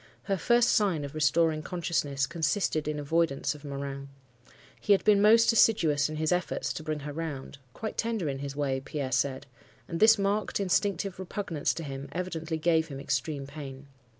Her first sign of restoring consciousness consisted in avoidance of Morin. He had been most assiduous in his efforts to bring her round; quite tender in his way, Pierre said; and this marked, instinctive repugnance to him evidently gave him extreme pain.